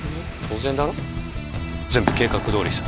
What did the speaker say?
当然だろ全部計画どおりさ